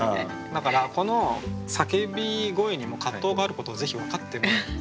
だからこの叫び声にも葛藤があることをぜひ分かってもらいたい。